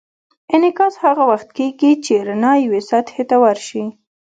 انعکاس هغه وخت کېږي چې رڼا یوې سطحې ته ورشي.